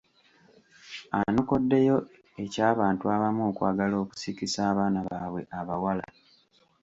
Anokoddeyo eky'abantu abamu okwagala okusikisa abaana baabwe abawala.